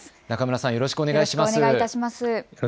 中村さん、よろしくお願いいたします。